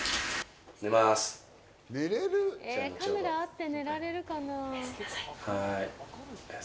カメラあって寝られるかな？